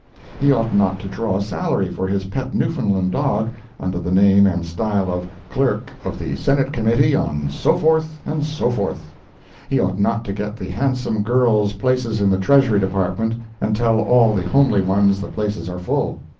He ought not to draw a salary for his pet Newfoundland dog, under the name and style of "Clerk of the Senate Committee on So forth and So forth. He ought not to get the handsome girls places in the Treasury Department, and tell all the homely ones the places are full.